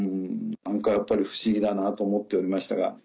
何かやっぱり不思議だなと思っておりましたが。